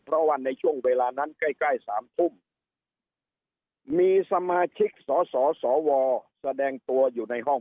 เพราะว่าในช่วงเวลานั้นใกล้๓ทุ่มมีสมาชิกสสสวแสดงตัวอยู่ในห้อง